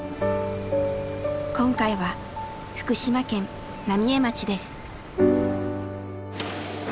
今回は福島県浪江町です。